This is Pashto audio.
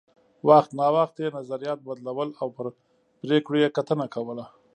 وخت نا وخت یې نظریات بدلول او پر پرېکړو یې کتنه کوله